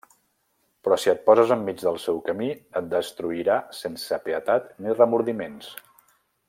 Però si et poses enmig del seu camí, et destruirà sense pietat ni remordiments.